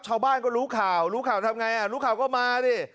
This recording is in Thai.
ชาวบ้านก็รู้ข่าวรู้ข่าวทำไงอ่ะรู้ข่าวก็มาดิ